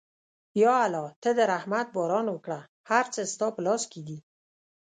یا الله ته د رحمت باران وکړه، هر څه ستا په لاس کې دي.